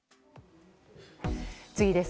次です。